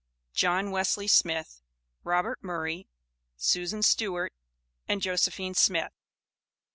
JOHN WESLEY SMITH, ROBERT MURRAY, SUSAN STEWART, AND JOSEPHINE SMITH.